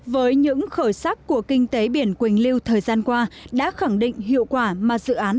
với những khởi sắc của kinh tế biển quỳnh lưu thời gian qua đã khẳng định hiệu quả mà dự án